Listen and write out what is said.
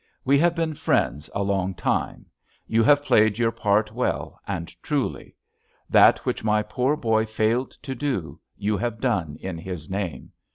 We have been friends a long time—you have played your part well and truly. That which my poor boy failed to do, you have done in his name.